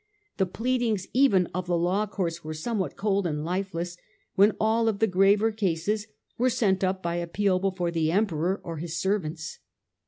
The pleadings even of the law courts were somewhat cold and lifeless when all the graver cases were sent up by appeal before the Emperor or his servants.